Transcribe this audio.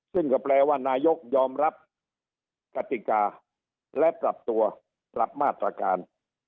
ซึ่งก็แปลว่านายกยอมรับกติกาและปรับตัวปรับมาตรการ